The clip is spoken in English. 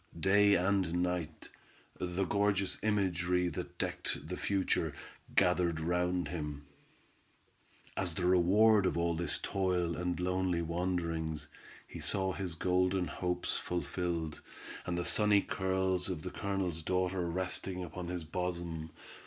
Day and night, the gorgeous imagery that decked the future, gathered round him. As the reward of all this toil and lonely wanderings, he saw his golden hopes fulfilled, and the sunny curls of the Colonel's daughter resting upon his bosom.